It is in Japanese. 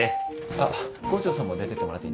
あっ郷長さんも出てってもらっていいですか？